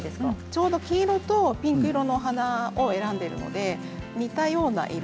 ちょうど黄色とピンク色の花を選んでいるので似たような色。